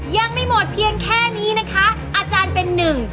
ยังไม่หมดเพียงแค่นี้นะคะอาจารย์เป็นหนึ่ง